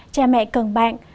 cha mẹ cần bạn